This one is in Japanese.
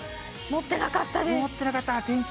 持ってなかった。